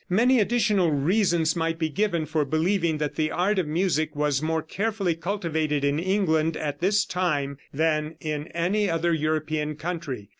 Many additional reasons might be given for believing that the art of music was more carefully cultivated in England at this time than in any other European country.